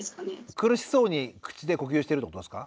苦しそうに口で呼吸してるってことですか？